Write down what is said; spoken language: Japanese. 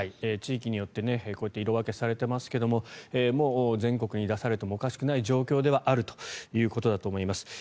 地域によって色分けされていますが全国に出されてもおかしくない状況ではあるということだと思います。